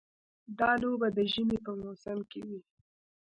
دا لوبه د ژمي په موسم کې وي.